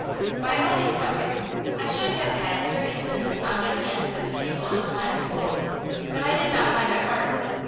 By all these tokens I should have had serious business on my hands as a pupil in the Latin School, but I did not find it hard.